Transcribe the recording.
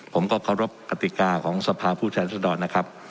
ผมก็เคารพกติกาของสภาพผู้แทนรัศดรนะครับ